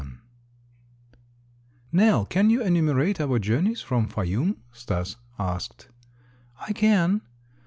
XXI "Nell, can you enumerate our journeys from Fayûm?" Stas asked. "I can."